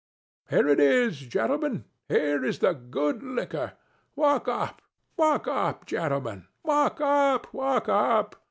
Here it is, gentlemen! Here is the good liquor! Walk up, walk up, gentlemen! Walk up, walk up!